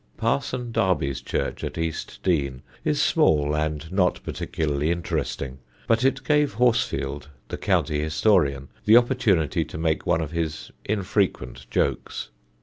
Parson Darby's church at East Dean is small and not particularly interesting; but it gave Horsfield, the county historian, the opportunity to make one of his infrequent jokes.